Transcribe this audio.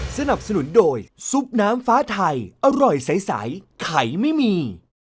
สนับสนุนโดยซุปน้ำฟ้าไทยอร่อยใสไข่ไม่มี